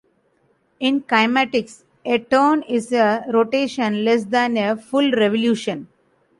In kinematics, a turn is a rotation less than a full revolution.